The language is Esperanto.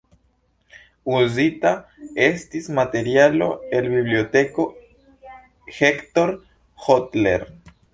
Uzita estis materialo el Biblioteko Hector Hodler.